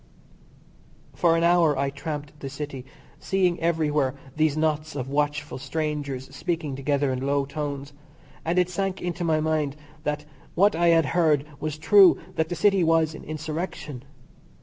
For an hour I tramped the City, seeing everywhere these knots of watchful strangers speaking together in low tones, and it sank into my mind that what I had heard was true, and that the City was in insurrection.